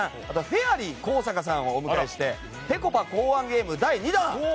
フェアリー高坂さんをお招きしてぺこぱ考案ゲーム第２弾。